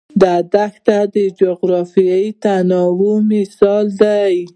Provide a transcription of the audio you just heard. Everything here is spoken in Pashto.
دا دښتې د جغرافیوي تنوع مثال دی.